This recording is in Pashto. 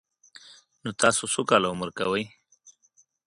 _نو تاسو څو کاله عمر کوئ؟